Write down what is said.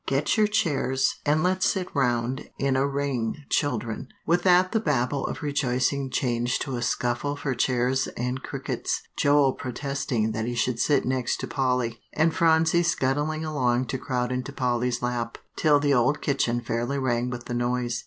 Get your chairs, and let's sit round in a ring, children." With that the babel of rejoicing changed into a scuffle for chairs and crickets, Joel protesting that he should sit next to Polly, and Phronsie scuttling along to crowd into Polly's lap, till the little old kitchen fairly rang with the noise.